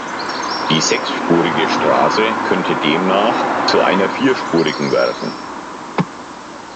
Die sechsspurige Straße könnte demnach zu einer vierspurigen werden.